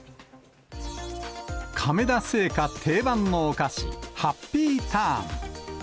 亀田製菓定番のお菓子、ハッピーターン。